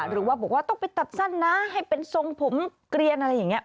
หรือว่าบอกว่าต้องไปตัดสั้นนะให้เป็นทรงผมเกลียนอะไรอย่างนี้